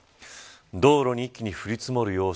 道路に一気に降り積もる様子。